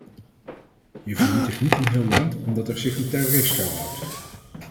Je vernietigt niet een heel land omdat er zich een terrorist schuilhoudt.